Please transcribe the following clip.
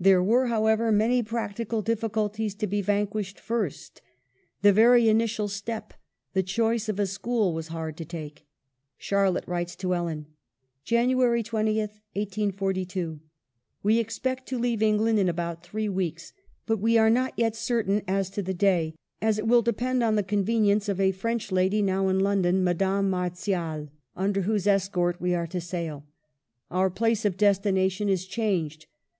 There were, however, many practical difficul ties to be vanquished first. The very initial step, the choice of a school, was hard to take. Charlotte writes to Ellen : "January 20, 1842. "We expect to leave England in about three weeks, but we are not yet certain as to the day, as it will depend on the convenience of a French lady now in London, Madame Marzials, under GIRLHOOD AT HA WORTH. IO i whose escort we are to sail. Our place of des tination is changed.